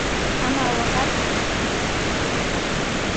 ¡Ama waqayku!